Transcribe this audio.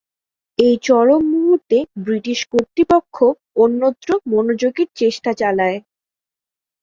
এই চরম মুহুর্তে ব্রিটিশ কর্তৃপক্ষ অন্যত্র মনোযোগের চেষ্টা চালায়।